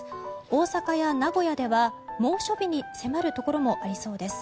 大阪や名古屋では猛暑日に迫るところもありそうです。